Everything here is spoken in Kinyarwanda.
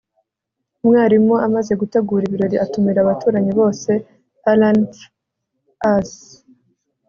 umwarimu amaze gutegura ibirori atumira abaturanyi bose. (alanf_us